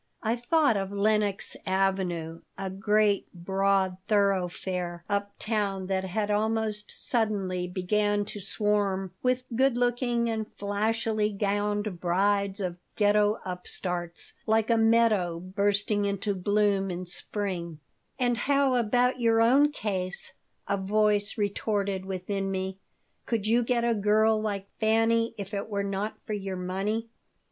I thought of Lenox Avenue, a great, broad thoroughfare up town that had almost suddenly begun to swarm with good looking and flashily gowned brides of Ghetto upstarts, like a meadow bursting into bloom in spring "And how about your own case?" a voice retorted within me. "Could you get a girl like Fanny if it were not for your money?